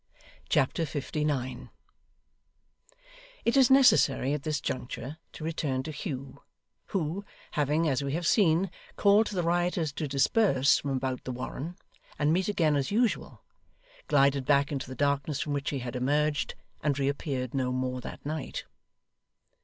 Chapter 59 It is necessary at this juncture to return to Hugh, who, having, as we have seen, called to the rioters to disperse from about the Warren, and meet again as usual, glided back into the darkness from which he had emerged, and reappeared no more that night.